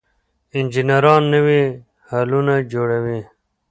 انجنیران نوي حلونه جوړوي.